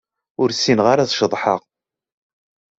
Ur ssineɣ ara ad ceḍḥeɣ.